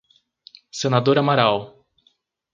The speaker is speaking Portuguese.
Senador Amaral